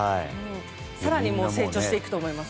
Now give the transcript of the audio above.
更に成長していくと思います。